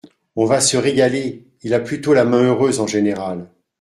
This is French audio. On va se régaler, il a plutôt la main heureuse, en général.